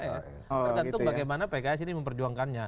tergantung bagaimana pks ini memperjuangkannya